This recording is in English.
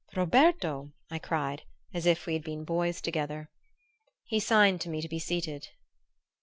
"Roberto!" I cried, as if we had been boys together. He signed to me to be seated.